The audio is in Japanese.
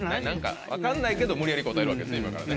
分かんないけど無理やり答えるわけですね